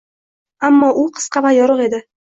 Ammo u qisqa va yorug’ edi.